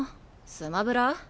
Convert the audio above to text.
「スマブラ」？